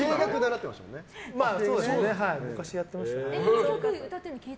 昔やってましたね。